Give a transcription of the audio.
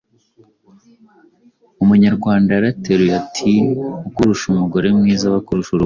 Umunyarwanda yarateruye ati ‘ukurusha umugore mwiza aba akurusha urugo’.